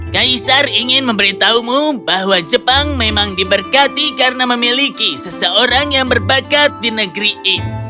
kaisar ingin memberitahumu bahwa jepang memang diberkati karena memiliki seseorang yang baik